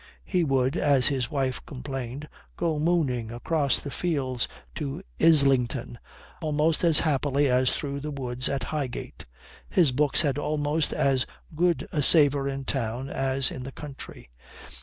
He would, as his wife complained, go mooning across the fields to Islington almost as happily as through the woods at Highgate. His books had almost as good a savour in town as in the country.